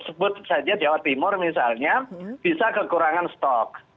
sebut saja jawa timur misalnya bisa kekurangan stok